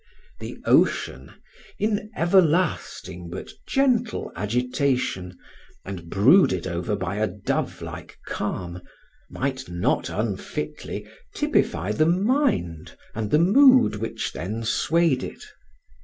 The ocean, in everlasting but gentle agitation, and brooded over by a dove like calm, might not unfitly typify the mind and the mood which then swayed it.